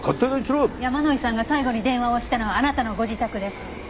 山井さんが最後に電話をしたのはあなたのご自宅です。